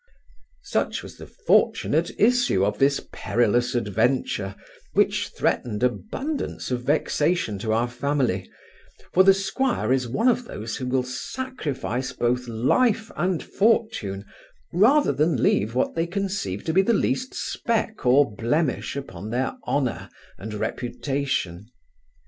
Such was the fortunate issue of this perilous adventure, which threatened abundance of vexation to our family; for the 'squire is one of those who will sacrifice both life and fortune, rather than leave what they conceive to be the least speck or blemish upon their honour and reputation.